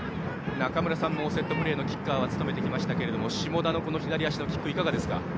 中村さんもセットプレーのキッカーは務めてきましたが下田の左足はいかがですか？